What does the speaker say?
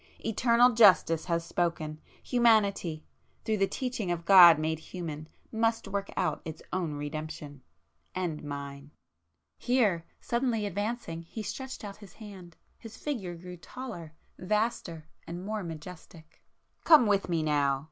Eternal Justice has spoken,—Humanity, through the teaching of God made human, must work out its own redemption,—and Mine!" Here, suddenly advancing he stretched out his hand,—his figure grew taller, vaster and more majestic. "Come with me now!"